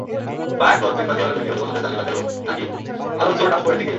Bayern coach Pep গার্দিওলার ব্যক্তিগত পছন্দের তালিকাতেও নাকি আলোনসোর নাম ওপরের দিকেই।